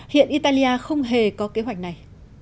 hiện italia không hề có kế hoạch này